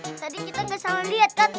tadi kita gak salah liat kan